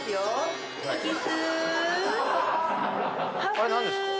あれ何ですか？